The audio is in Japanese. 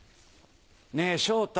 ねぇ昇太